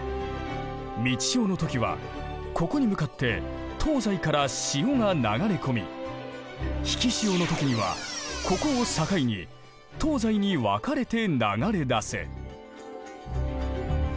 満ち潮の時はここに向かって東西から潮が流れ込み引き潮の時にはここを境に東西に分かれて流れ出す。